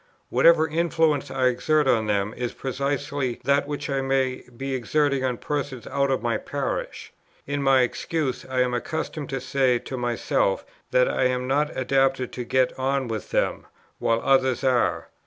Whatever influence I exert on them is precisely that which I may be exerting on persons out of my parish. In my excuse I am accustomed to say to myself that I am not adapted to get on with them, while others are.